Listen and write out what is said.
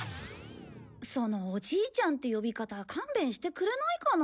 そのおじいちゃんって呼び方勘弁してくれないかな。